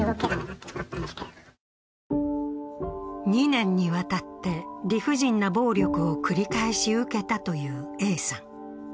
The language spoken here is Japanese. ２年にわたって理不尽な暴力を繰り返し受けたというＡさん。